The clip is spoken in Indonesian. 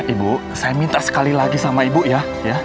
ibu saya minta sekali lagi sama ibu ya